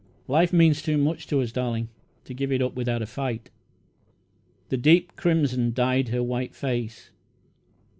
Life means too much to us, darling, to give it up without a fight." The deep crimson dyed her white face.